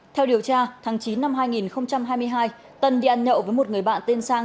theo điều tra tháng chín năm hai nghìn hai mươi hai tân đi ăn nhậu với một người bạn tên sang